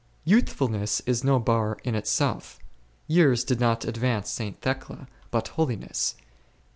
Youthfulness is no bar in itself; years did not ad vance St. Thecla, but holiness.